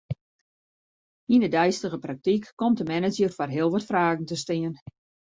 Yn 'e deistige praktyk komt de manager foar heel wat fragen te stean.